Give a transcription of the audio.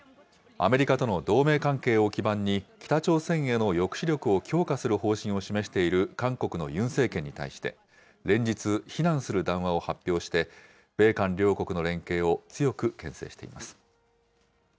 アメリカとの同盟関係を基盤に、北朝鮮への抑止力を強化する方針を示している韓国のユン政権に対して、連日、非難する談話を発表して、米韓両国の連携を強くけん制しています。